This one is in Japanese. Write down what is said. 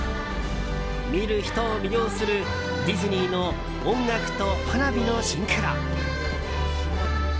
見る人を魅了するディズニーの音楽と花火のシンクロ。